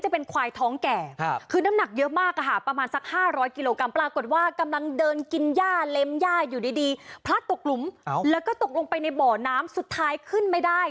พลัดตกหลุมแล้วก็ตกตกไปในเบ๋อน้ำสุดท้ายขึ้นไม่ได้